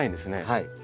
はい。